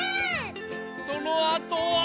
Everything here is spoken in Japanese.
そのあとは。